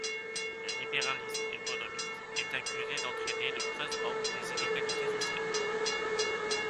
Le libéralisme économique est accusé d'entraîner le creusement des inégalités sociales.